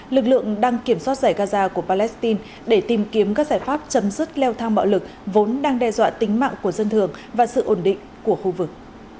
lực lượng đang kiểm soát giải gaza của palestine để tìm kiếm các giải pháp chấm dứt leo thang bạo lực vốn đang đe dọa tính mạng của dân thường và sự ổn định của khu vực